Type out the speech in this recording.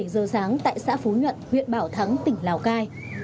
bảy giờ sáng tại xã phú nhuận huyện bảo thắng tỉnh lào cai